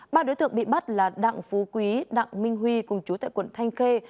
ba đối tượng bị bắt là đặng phú quý đặng minh huy cùng chú tại quận thanh khê